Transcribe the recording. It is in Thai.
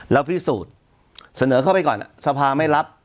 แล้วพิสูจน์เสนอเข้าไปก่อนสภาไม่รับ